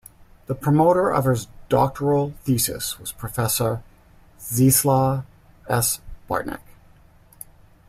The promoter of his doctoral thesis was Professor Czeslaw S. Bartnik.